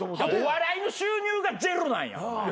お笑いの収入がジェロなんや。